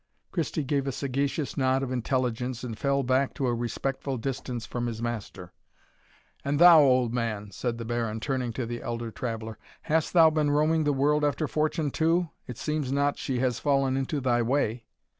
Christie gave a sagacious nod of intelligence, and fell back to a respectful distance from his master. "And thou, old man," said the Baron, turning to the elder traveller, "hast thou been roaming the world after fortune too? it seems not she has fallen into thy way."